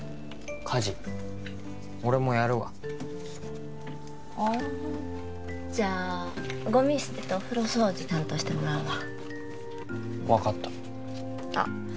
家事俺もやるわああじゃあゴミ捨てとお風呂掃除担当してもらうわ分かったあっ